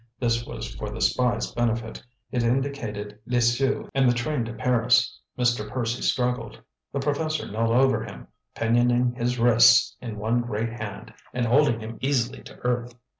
This was for the spy's benefit; it indicated Lisieux and the train to Paris. Mr. Percy struggled; the professor knelt over him, pinioning his wrists in one great hand, and holding him easily to earth.